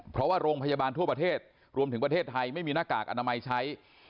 เพราะว่าโรงพยาบาลทั่วประเทศรวมถึงประเทศไทยไม่มีหน้ากากอนามัยใช้